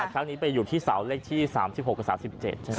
ครั้งนี้ไปหยุดที่เสาเลขที่๓๖กับ๓๗